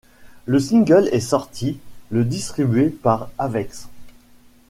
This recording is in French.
Le single est sorti le distribué par Avex.